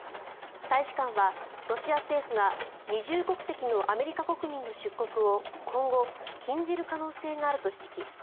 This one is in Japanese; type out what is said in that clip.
大使館は、ロシア政府が二重国籍のアメリカ国民の出国を今後禁じる可能性があると指摘。